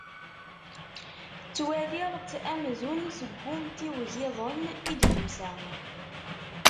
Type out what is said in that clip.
Ttwaliɣ-tt amzun seg umtiweg-iḍen i d-tusa.